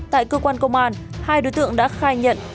tại cơ quan công an hai đối tượng đã khai nhận